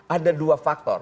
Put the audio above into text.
ada dua faktor